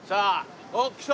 あっ来た！